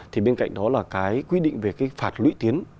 thì bên cạnh đó là cái quy định về cái phạt lũy tiến